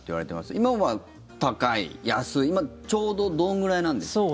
今は高い、安いちょうどどんぐらいなんですか？